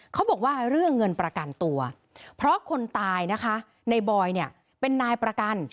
เขาบอกว่าเรื่องเงินประกันตัวเพราะคนตายนะคะในบอยเนี่ยเป็นนายประกัน